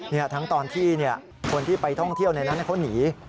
นี่ทั้งตอนที่คนที่ไปท่องเที่ยวในนั้นเขาหนี